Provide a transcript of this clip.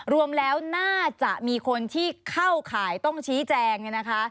รวมแล้วน่าจะมีคนที่เข้าข่ายต้องชี้แจงเนี่ยนะคะ